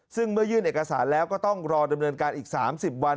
ซึ่งเมื่อยื่นเอกสารแล้วก็ต้องรอดำเนินการอีก๓๐วัน